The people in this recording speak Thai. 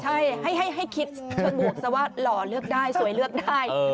ใช่ให้คิดเชิงบวกซะว่าหล่อเลือกได้สวยเลือกได้